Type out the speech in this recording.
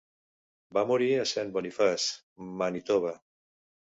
Va morir a Saint Boniface, Manitoba.